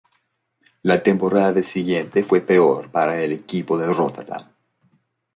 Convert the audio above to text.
La temporada siguiente fue peor para el equipo de Rotterdam.